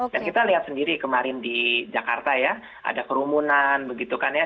dan kita lihat sendiri kemarin di jakarta ya ada kerumunan begitu kan ya